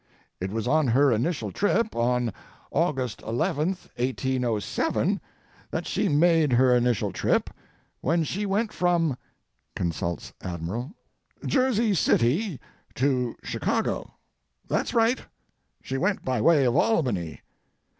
It was on her initial trip, on, August 11, 1807, that she made her initial trip, when she went from [consults Admiral] Jersey City—to Chicago. That's right. She went by way of Albany.